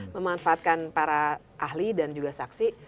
memanfaatkan para ahli dan juga saksi